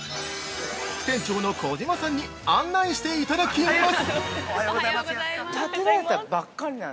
副店長の小島さんに案内していただきます。